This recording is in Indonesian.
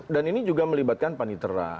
dan ini juga melibatkan panitera